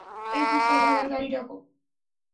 এই কুত্তা ধরার গাড়ি ডাকো।